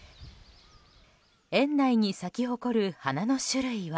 園内に咲き誇る花の種類は。